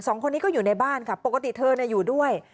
สองคนนี้ก็อยู่ในบ้านค่ะปกติเธออยู่ด้วย